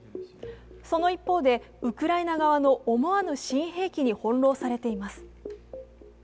その一方で、ウクライナ側の思わぬ新兵器に翻弄されています。